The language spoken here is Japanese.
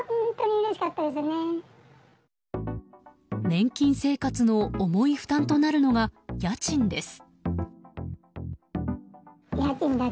年金生活の重い負担となるのが家賃です。